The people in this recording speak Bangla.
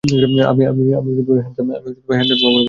আমি হ্যান্ডসাম চেহারা কখনো ভুলি না।